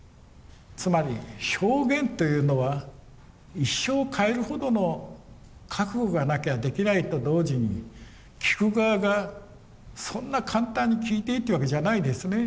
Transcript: つまり証言というのは一生を変えるほどの覚悟がなきゃできないと同時に聞く側がそんな簡単に聞いていいっていうわけじゃないですね。